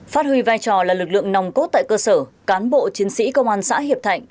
phát huy vai trò là lực lượng nòng cốt tại cơ sở cán bộ chiến sĩ công an xã hiệp thạnh